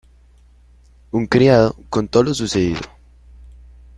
Un criado contó lo sucedido.